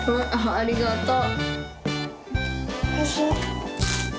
ありがとう。